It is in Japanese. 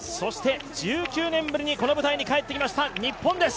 １９年ぶりにこの舞台に帰ってきました、日本です。